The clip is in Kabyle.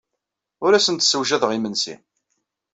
Ur asen-d-ssewjadeɣ imensi.